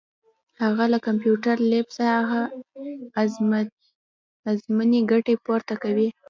هغه له کمپیوټر لیب څخه اعظمي ګټه پورته کوي.